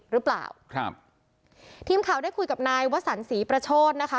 หรือเปล่าครับทีมข่าวได้คุยกับนายวสันศรีประโชธนะคะ